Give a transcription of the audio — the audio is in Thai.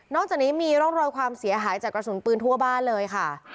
จากนี้มีร่องรอยความเสียหายจากกระสุนปืนทั่วบ้านเลยค่ะ